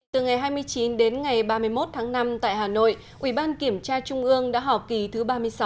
từ ngày hai mươi chín đến ngày ba mươi một tháng năm tại hà nội ủy ban kiểm tra trung ương đã họp kỳ thứ ba mươi sáu